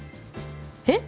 えっ？